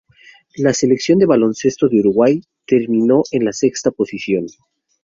La selección de baloncesto de Uruguay terminó en la sexta posición.